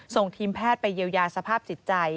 ส่งทีมแพทย์ไปเยียวยาสภาพจิตใจ